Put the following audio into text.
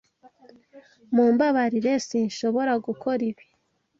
Mumbabarire, sinshobora gukora ibi.